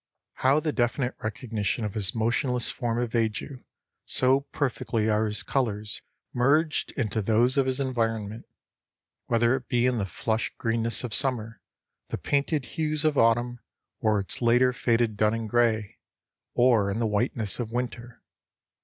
How the definite recognition of his motionless form evades you, so perfectly are his colors merged into those of his environment, whether it be in the flush greenness of summer, the painted hues of autumn or its later faded dun and gray, or in the whiteness of winter.